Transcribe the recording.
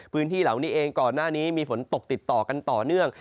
พื้นที่เหล่านี้เองก่อนหน้านี้มีฝนตกติดต่อกันต่อเนื่อง